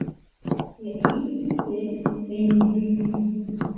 He'i che reindy.